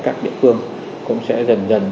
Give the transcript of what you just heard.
các địa phương cũng sẽ dần dần